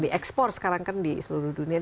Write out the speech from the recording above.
diekspor sekarang kan di seluruh dunia